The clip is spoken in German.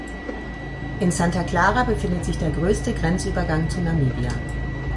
In Santa Clara befindet sich der größte Grenzübergang zu Namibia.